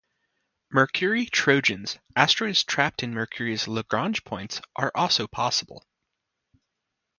Mercury trojans, asteroids trapped in Mercury's Lagrange points, are also possible.